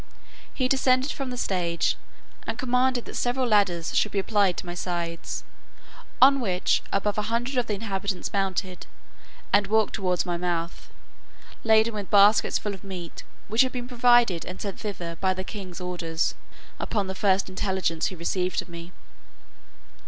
He descended from the stage, and commanded that several ladders should be applied to my sides, on which above a hundred of the inhabitants mounted and walked towards my mouth, laden with baskets full of meat, which had been provided and sent thither by the king's orders, upon the first intelligence he received of me.